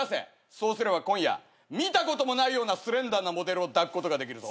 そうすれば今夜見たこともないようなスレンダーなモデルを抱くことができるぞ。